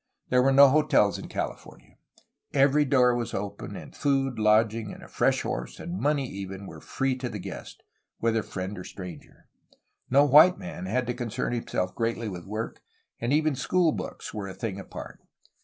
There were no hotels in California. Every door was open, and food, lodging, a fresh horse, and money, even, were free to the guest, whether friend or stranger. No white man had to concern himself greatly with work, and even school books were a thing apart.